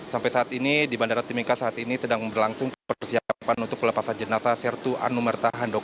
sampai saat ini di bandara timika saat ini sedang berlangsung persiapan untuk pelepasan jenazah sertu anumerta handoko